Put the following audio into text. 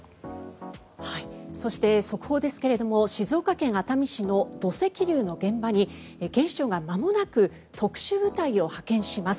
そして、速報ですが静岡県熱海市の土石流の現場に警視庁がまもなく特殊部隊を派遣します。